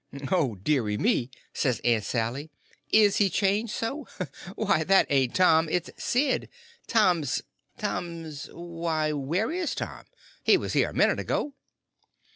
"Oh, deary me!" says Aunt Sally; "is he changed so? Why, that ain't Tom, it's Sid; Tom's—Tom's—why, where is Tom? He was here a minute ago."